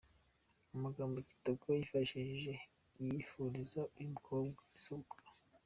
Amagambo Kitoko yifashishije yifuriza uyu mukobwa isabukuru.